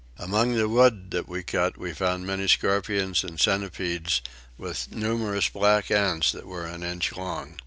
Among the wood that we cut here we found many scorpions and centipedes, with numerous black ants that were an inch long.